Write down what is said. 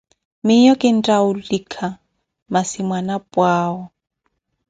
Miiyo kintta woulika, massi mwanapwa awo